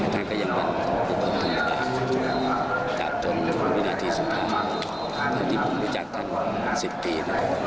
ท่านก็ยังเป็นทุกคนทั้งหมดจากทุกวิทยาลัยที่สุภาพที่ผมวิจัยกัน๑๐ปี